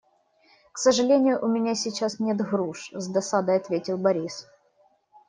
«К сожалению, у меня сейчас нет груш», - с досадой ответил Борис.